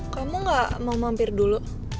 kamu gak mau mampir dulu